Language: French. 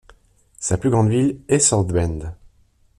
Sa plus grande ville est South Bend.